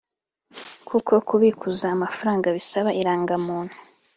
kuko kubikuza amafaranga bisaba irangamuntu